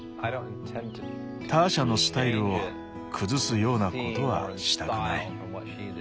ターシャのスタイルを崩すようなことはしたくない。